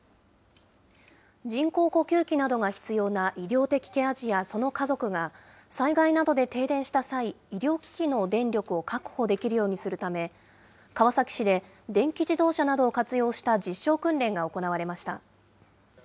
人工呼吸器などが必要な医療的ケア児や、その家族が、災害などで停電した際、医療機器の電力を確保できるようにするため、川崎市で、電気自動車などを活用した実証訓練が行われました。